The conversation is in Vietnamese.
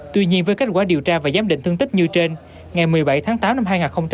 tuy nhiên với kết quả điều tra và giám định thương tích như trên ngày một mươi bảy tháng tám năm hai nghìn hai mươi ba